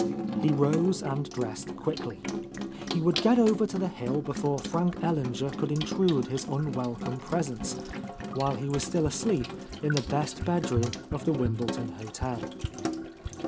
He rose and dressed quickly. He would get over to the hill before Frank Ellinger could intrude his unwelcome presence, while he was still asleep in the best bedroom of the Wimbleton hotel.